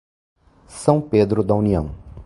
São Pedro da União